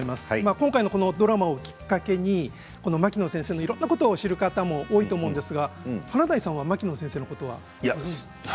今回のドラマをきっかけに牧野先生のいろんなことを知る方も多いと思いますが華大さんは牧野先生のことは？